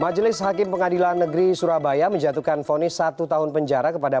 majelis hakim pengadilan negeri surabaya menjatuhkan fonis satu tahun penjara kepada